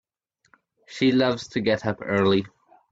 She loves to get up early.